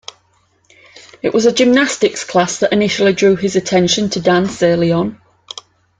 It was a gymnastics class that initially drew his attention to dance early on.